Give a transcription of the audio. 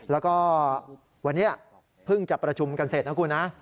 แล้วก็วันนี้เพิ่งจะประชุมกันเสร็จนะคุณนะ